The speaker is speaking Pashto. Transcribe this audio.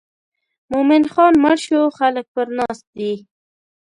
مومن خان مړ شو خلک پر ناست دي.